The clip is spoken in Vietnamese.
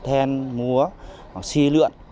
then múa sli lượn